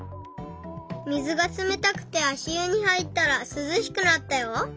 水がつめたくてあしゆにはいったらすずしくなったよ。